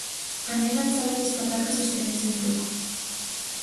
A nena chámalles "patacas" aos cereais en floco.